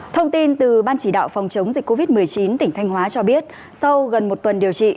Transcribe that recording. thông tin từ ban chỉ đạo phòng chống dịch covid một mươi chín tỉnh thanh hóa cho biết sau gần một tuần điều trị